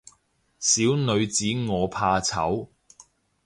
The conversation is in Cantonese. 小女子我怕醜